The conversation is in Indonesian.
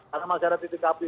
karena masih ada titik api itu